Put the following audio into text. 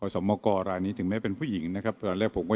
สมกรรายนี้ถึงแม้เป็นผู้หญิงนะครับตอนแรกผมก็